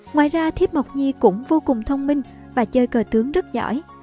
ngoài ra thiếp mộc nhi cũng vô cùng thông minh và chơi cờ tướng rất giỏi